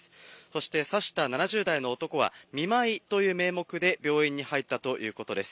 そして、刺した７０代の男は、見舞いという名目で病院に入ったということです。